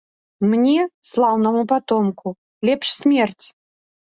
Мне, слаўнаму патомку, лепш смерць.